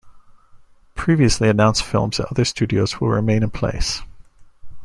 Previously announced films at other studios will remain in place.